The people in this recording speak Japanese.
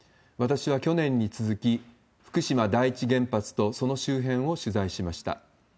私は去年に続き、福島第一原発と、その周辺を取材しました。